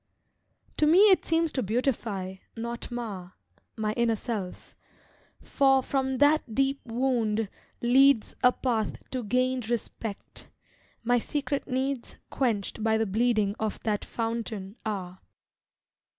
To me it seems to beautify, not mar, My inner self, for from that deep wound leads A path to gained respect, my secret needs Quenched by the bleeding of that fountain are.